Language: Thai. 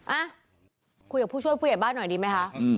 อ่ะคุยกับผู้ช่วยผู้ใหญ่บ้านหน่อยดีไหมคะ